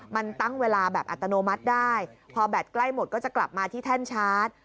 มันตั้งเวลาแบบอัตโนมัติได้พอแบตใกล้หมดก็จะกลับมาที่แท่นชาร์จ